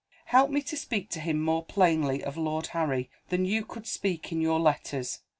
Help me to speak to him more plainly of Lord Harry than you could speak in your letters.